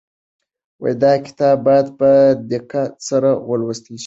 دا کتاب باید په دقت سره ولوستل شي.